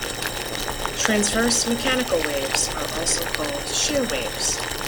Transverse mechanical waves are also called "shear waves".